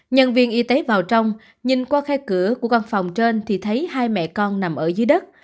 nhân viên y tế vào trong nhìn qua khe cửa của văn phòng trên thì thấy hai mẹ con nằm ở dưới đất